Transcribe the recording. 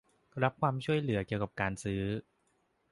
รับความช่วยเหลือเกี่ยวกับการซื้อ